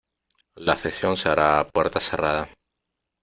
La sesión se hará a puerta cerrada.